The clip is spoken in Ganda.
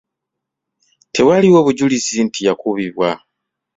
Tewaaliwo bujulizi nti yakubibwa.